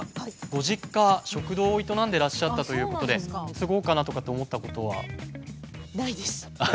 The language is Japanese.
ご実家食堂を営んでらっしゃったということで継ごうかなとかって思ったことは？ないです。